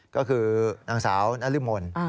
ก็คือนางสาวนรมน